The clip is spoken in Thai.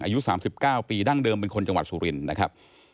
อายุ๓๙ปีดั้งเดิมเป็นคนจังหวัดสุรินทร์นะครับ